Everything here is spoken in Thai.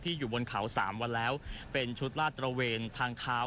อยู่บนเขาสามวันแล้วเป็นชุดลาดตระเวนทางเท้า